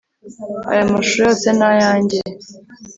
Aya mashusho yose ni ayanjye